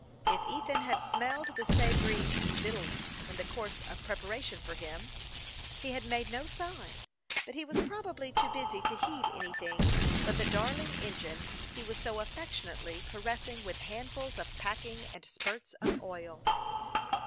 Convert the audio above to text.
If Ethan had smelled the savory vi ands in the course of preparation for him, he had made no sign ; but he was probably too busy to heed anything but the darling engine he was so affectionately caressing with handfuls of packing and spurts of oil.